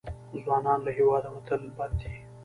ځوانان له هېواده وتل بد دي.